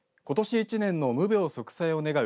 １年の無病息災を願う